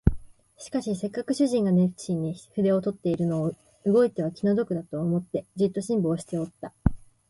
しかしせっかく主人が熱心に筆を執っているのを動いては気の毒だと思って、じっと辛抱しておった